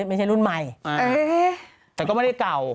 ไม่ใช่รุ่นใหม่แต่ก็ไม่ได้เก่า